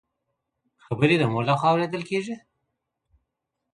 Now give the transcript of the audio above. خبري د مور له خوا اورېدلي کيږي؟!